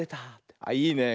あっいいね。